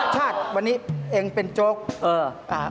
ชัดวันนี้เองเป็นโจทย์